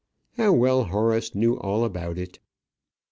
_ How well Horace knew all about it!